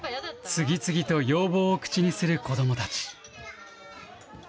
次々と要望を口にする子どもたち。